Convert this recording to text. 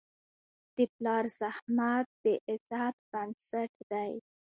د پلار زحمت د عزت بنسټ دی.